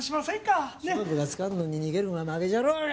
勝負がつかんのに逃げるのは負けじゃろうが！